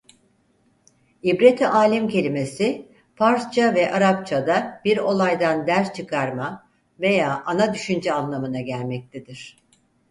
İbret-i Alem kelimesi Farsça ve Arapça'da Bir Olaydan Ders Çıkarma veya Ana Düşünce anlamına gelmektedir.